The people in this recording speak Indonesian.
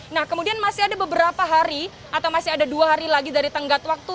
nah kemudian masih ada beberapa hari atau masih ada dua hari lagi dari tenggat waktu